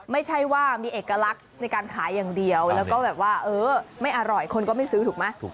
ไม่ใช่ว่ามีเอกลักษณ์ในการขายอย่างเดียวแล้วก็แบบว่าเออไม่อร่อยคนก็ไม่ซื้อถูกไหม